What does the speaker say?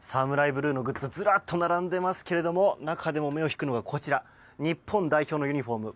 ブルーのグッズずらっと並んでますけれども中でも目を引くのが、こちら日本代表のユニホーム。